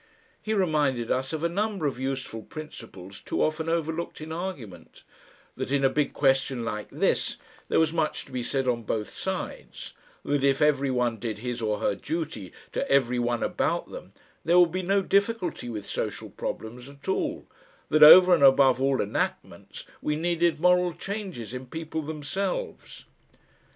He reminded us of a number of useful principles too often overlooked in argument, that in a big question like this there was much to be said on both sides, that if every one did his or her duty to every one about them there would be no difficulty with social problems at all, that over and above all enactments we needed moral changes in people themselves.